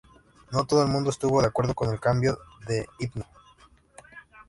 No todo el mundo estuvo de acuerdo con el cambio de himno.